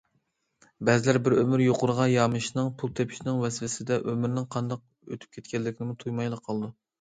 بەزىلەر بىر ئۆمۈر يۇقىرىغا يامىشىشنىڭ، پۇل تېپىشنىڭ ۋەسۋەسىسىدە ئۆمرىنىڭ قانداق ئۆتۈپ كەتكەنلىكىنىمۇ تۇيمايلا قالىدۇ.